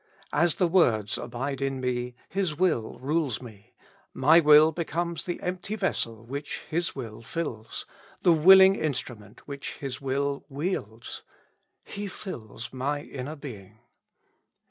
As the words abide in me, His will rules me ; my will becomes the empty vessel which His will fills, the willing instrument which His will wields; He fills my inner being.